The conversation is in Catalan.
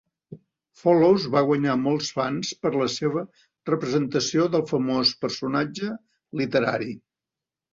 Follows va guanyar molts fans per la seva representació del famós personatge literari.